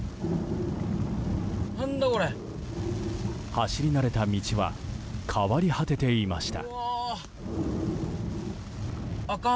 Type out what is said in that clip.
走り慣れた道は変わり果てていました。